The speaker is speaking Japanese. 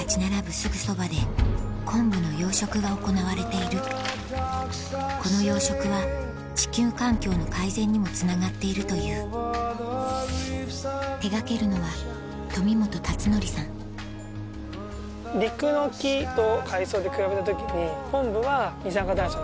すぐそばで昆布の養殖が行われているこの養殖は地球環境の改善にもつながっているという手掛けるのは陸の木と海藻で比べた時に昆布は。